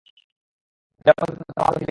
নিরাপদে গনীমতের মালসহ ফিরে এসেছেন।